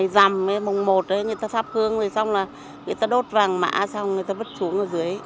dằm mùng một người ta thắp hương rồi xong là người ta đốt vàng mã xong người ta vứt xuống ở dưới